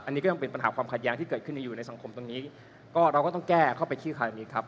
อันนี้ก็ยังเป็นปัญหาความขัดแย้งที่เกิดขึ้นในอยู่ในสังคมตรงนี้ก็เราก็ต้องแก้เข้าไปขี้คายตรงนี้ครับ